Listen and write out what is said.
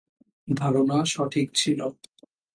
ধারণা সঠিক ছিল!